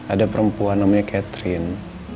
ada perempuan namanya catherine